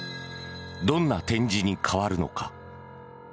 どんな展示に変わるのか。